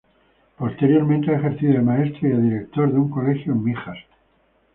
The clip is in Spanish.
Posteriormente ha ejercido de maestro y de director de un colegio en Mijas.